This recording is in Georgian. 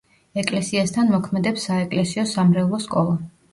ეკლესიასთან მოქმედებს საეკლესიო-სამრევლო სკოლა.